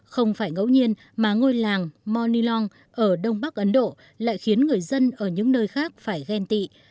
không phải ngẫu nhiên mà ngôi làng monilong ở đông bắc ấn độ lại khiến người dân ở những nơi khác phải ghen tị